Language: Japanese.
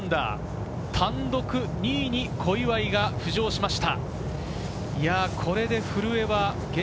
単独２位に小祝が浮上しました。